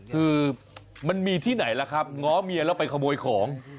คือมันมีที่ไหนล่ะครับง้อเมียแล้วไปขโมยของ